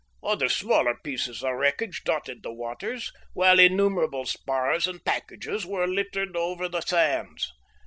Other smaller pieces of wreckage dotted the waters, while innumerable spars and packages were littered over the sands.